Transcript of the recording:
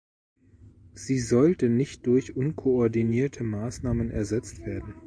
Sie sollte nicht durch unkoordinierte Maßnahmen ersetzt werden.